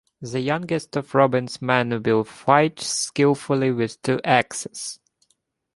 The youngest of Robin's men, Will fights skilfully with two axes.